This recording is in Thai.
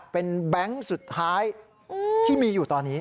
เป็นแบงค์สุดท้ายที่มีอยู่ตอนนี้